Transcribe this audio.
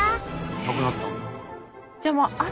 なくなったんだ。